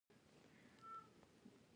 د تخم پاکول څومره اړین دي؟